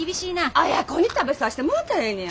あや子に食べさせてもうたらええねや。